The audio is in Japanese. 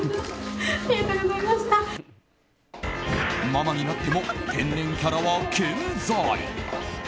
ママになっても天然キャラは健在！